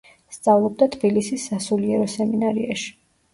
სწავლობდა თბილისის სასულიერო სემინარიაში.